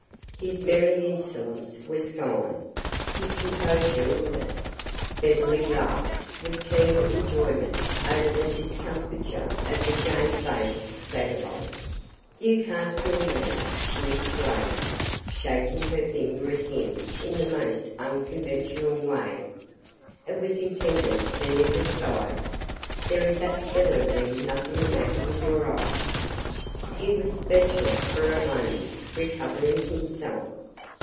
His merry insolence was gone, his composure with it. Beverly laughed with keen enjoyment over the discomfiture of the shame faced vagabond. "You can't fool me," she exclaimed, shaking her finger at him in the most unconventional way. "It was intended to be a disguise. There is absolutely nothing the matter with your eye." He was speechless for a moment, recovering himself.